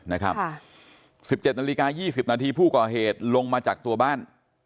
๑๗นาฬิกา๒๐นาทีผู้ก่อเหตุลงมาจากตัวบ้าน